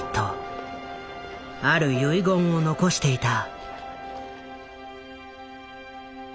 ある遺言を残していた。